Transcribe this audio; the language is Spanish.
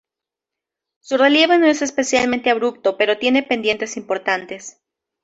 Su relieve no es especialmente abrupto pero tiene pendientes importantes.